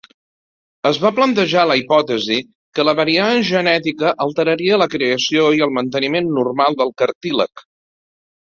Es va plantejar la hipòtesi que la variant genètica alteraria la creació i el manteniment normal del cartílag.